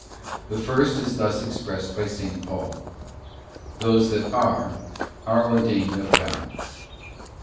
The first is thus expressed by 8. Paul: 'Those that are, are ordained of God.